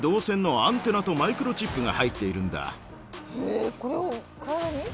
えっこれを体に？